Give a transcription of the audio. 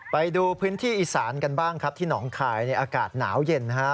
ไปดูพื้นที่อีสานกันบ้างครับที่หนองคายในอากาศหนาวเย็นนะฮะ